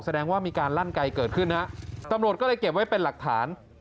แสดงว่ามีการลั่นไกลเกิดขึ้นฮะตำรวจก็เลยเก็บไว้เป็นหลักฐาน